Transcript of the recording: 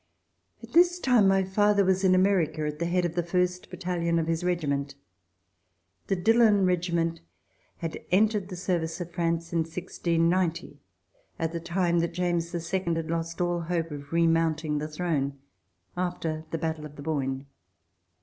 At this time my father was in America, at the head of the first battalion of his regiment. The Dillon Regiment had entered the service of France in 1690, at the time that James II had lost all hope of re mounting the throne, after the battle of the Boyne.